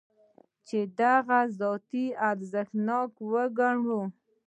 چې هغه د ذاتي ارزښت لرونکی وګڼو.